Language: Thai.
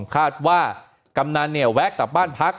คาดว่ากำนันเนี่ยแวะกลับบ้านพัก